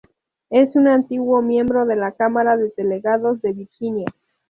Es un antiguo miembro de la Cámara de Delegados de Virginia.